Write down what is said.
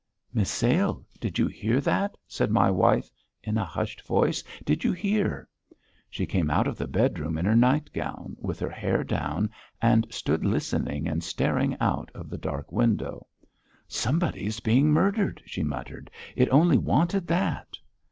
"Misail, did you hear that?" said my wife in a hushed voice. "Did you hear?" She came out of the bedroom in her nightgown, with her hair down, and stood listening and staring out of the dark window. "Somebody is being murdered!" she muttered. "It only wanted that!"